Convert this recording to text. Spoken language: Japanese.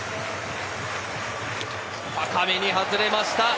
高めに外れました。